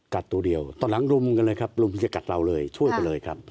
ตัวเดียวตอนหลังรุมกันเลยครับรุมจะกัดเราเลยช่วยไปเลยครับ